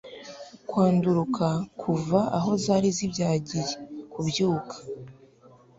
kwanduruka kuva aho zari zibyagiye, kubyuka